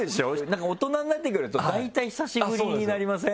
なんか大人になってくると大体久しぶりになりません？